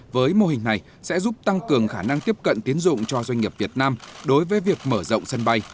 với mô hình này sẽ giúp tăng cường khả năng tiếp cận tiến dụng cho doanh nghiệp việt nam đối với việc mở rộng sân bay